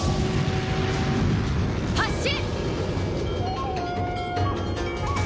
発進！